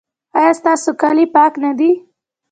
ایا ستاسو کالي پاک نه دي؟